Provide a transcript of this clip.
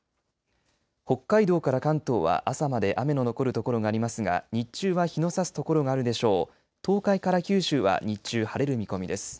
北海道から関東は朝まで雨の残る所がありますが日中は日のさす所があるでしょう。